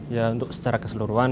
ya untuk secara keseluruhan